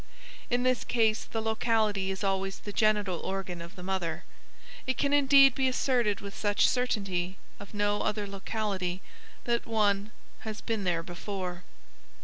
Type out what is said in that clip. In this case the locality is always the genital organ of the mother; it can indeed be asserted with such certainty of no other locality that one "has been there before."